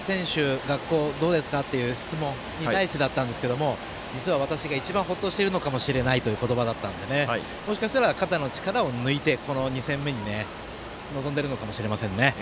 選手、学校、どうですか？っていう質問に対してだったんですが実は私が一番ほっとしてるかもしれないという言葉だったのでもしかしたら肩の力を抜いてこの２戦目に臨んでいるのかもしれませんね。